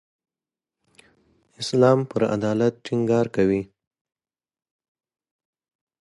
اسلام پر عدالت ټینګار کوي.